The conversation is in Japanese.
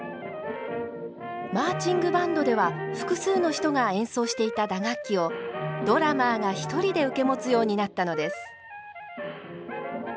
マーチングバンドでは複数の人が演奏していた打楽器をドラマーが１人で受け持つようになったのです。